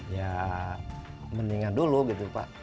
ya mendingan dulu gitu pak